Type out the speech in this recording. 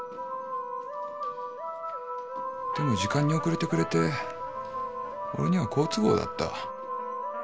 でも時間に遅れてくれて俺には好都合だった。